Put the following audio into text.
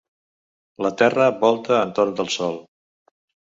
La Terra volta entorn del Sol.